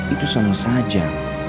itu sama saja